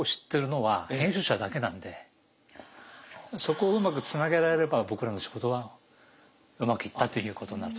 そこをうまくつなげられれば僕らの仕事はうまくいったということになると。